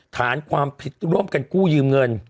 ฐานความผิดร่วมกันกู้ยืมเงิน